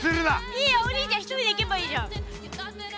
いいよお兄ちゃん１人で行けばいいじゃん。